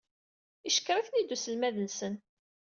Yeckeṛ-iten-id uselmad-nsen.